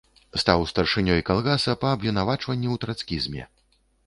Стаў старшынёй калгаса, па абвінавачванні ў трацкізме.